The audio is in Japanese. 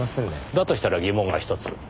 だとしたら疑問がひとつ。